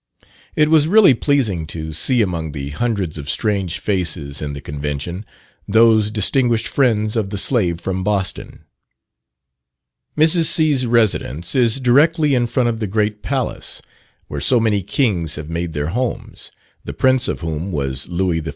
It was really pleasing to see among the hundreds of strange faces in the Convention, those distinguished friends of the slave from Boston. Mrs. C 's residence is directly in front of the great palace where so many kings have made their homes, the prince of whom was Louis XIV.